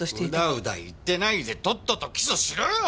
うだうだ言ってないでとっとと起訴しろよ！